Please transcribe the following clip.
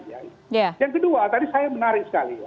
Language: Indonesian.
yang kedua tadi saya menarik sekali ya